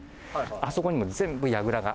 あそこにも全部、櫓が。